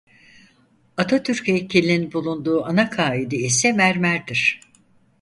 Atatürk heykelinin bulunduğu ana kaide ise mermerdir.